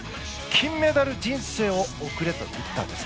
金メダル人生を送れと言ったんです。